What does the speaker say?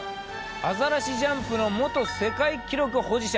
アザラシジャンプの元世界記録保持者。